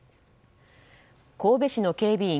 神戸市の警備員